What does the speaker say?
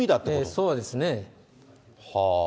そうですね。